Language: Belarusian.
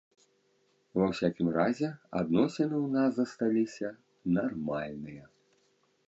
Ва ўсякім разе адносіны ў нас засталіся нармальныя.